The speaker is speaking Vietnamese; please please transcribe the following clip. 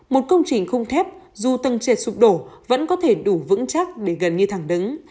một công trình khung thép dù tầng trệt sụp đổ vẫn có thể đủ vững chắc để gần như thẳng đứng